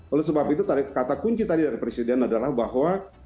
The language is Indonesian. oleh sebab itu kata kunci tadi dari presiden adalah bahwa